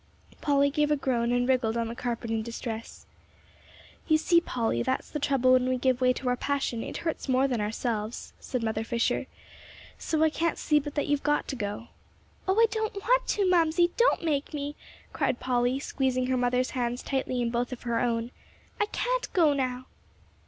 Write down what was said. Polly gave a groan and wriggled on the carpet in distress. "You see, Polly, that's the trouble when we give way to our passion; it hurts more than ourselves," said Mother Fisher, "so I can't see but that you have got to go." "Oh, I don't want to, Mamsie; don't make me," cried Polly, squeezing her mother's hands tightly in both of her own. "I can't go now!"